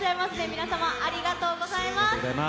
皆さま、ありがとうございます。